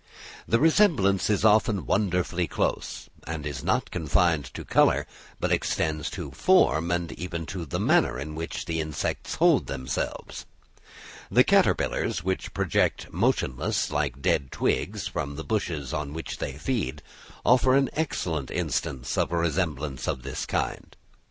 The resemblance is often wonderfully close, and is not confined to colour, but extends to form, and even to the manner in which the insects hold themselves. The caterpillars which project motionless like dead twigs from the bushes on which they feed, offer an excellent instance of a resemblance of this kind.